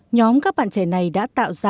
nhóm các bạn trẻ này đã tạo ra một bộ phận